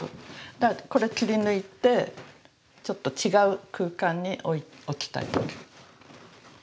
だからこれ切り抜いてちょっと違う空間に置きたいわけ。